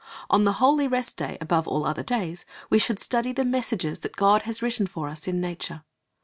On the holy rest day, above all other days, we should study the messages that God has written for us in nature.